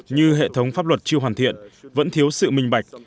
như hệ thống pháp luật chưa hoàn thiện vẫn thiếu sự minh bạch